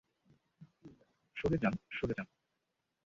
সরে যান, সরে যান।